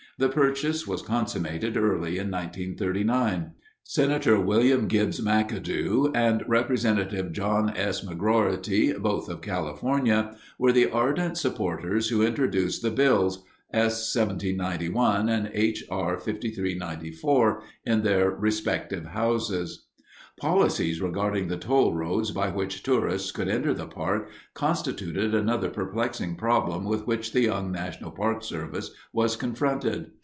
The purchase was consummated early in 1939. Senator William Gibbs McAdoo and Representative John S. McGroarty, both of California, were the ardent supporters who introduced the bills, S. 1791 and H.R. 5394, in their respective houses. Policies regarding the toll roads by which tourists could enter the park constituted another perplexing problem with which the young National Park Service was confronted.